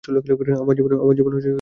আমার জীবন নষ্ট করেছিস তুই।